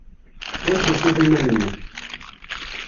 Ur tufid iman-nnem.